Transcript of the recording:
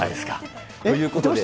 ということで。